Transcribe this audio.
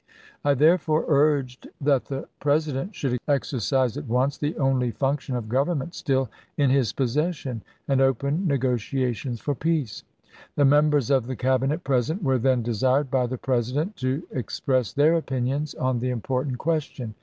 I therefore urged that the Presi dent should exercise at once the only function of govern ment still in his possession, and open negotiations for peace. The members of the Cabinet present were then desired by the President to express their opinions on the important question.